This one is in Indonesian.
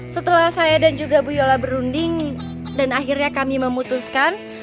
setelah saya dan juga bu yola berunding dan akhirnya kami memutuskan